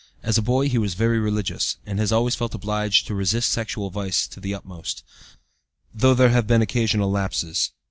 As a boy he was very religious, and has always felt obliged to resist sexual vice to the utmost, though there have been occasional lapses.